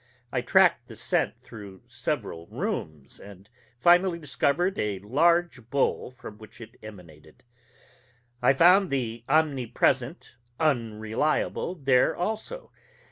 I tracked the scent through several rooms, and finally discovered a large bowl from which it emanated. I found the omnipresent Unreliable there, also.